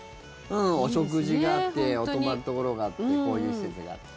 お食事があって泊まるところがあってこういう施設があって。